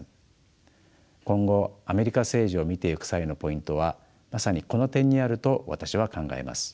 今後アメリカ政治を見てゆく際のポイントはまさにこの点にあると私は考えます。